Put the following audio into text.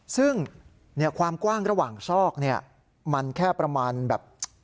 ซึ่งความกว้างระหว่างซอกเนี่ยมันแค่ประมาณแบบ